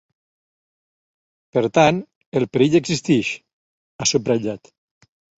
Per tant, ‘el perill existeix’, ha subratllat.